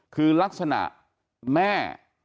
คือลักษณะแม่